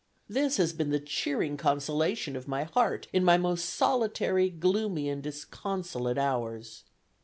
This has been the cheering consolation of my heart in my most solitary, gloomy, and disconsolate hours.